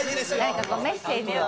何かメッセージを。